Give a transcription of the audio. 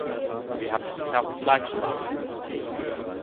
Sie hat es sich auch nicht leicht gemacht.